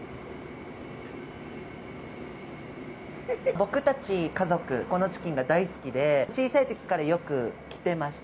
僕たち家族、このチキンが大好きで、小さいときからよく来てました。